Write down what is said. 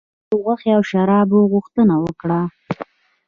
هغه د غوښې او شرابو غوښتنه وکړه.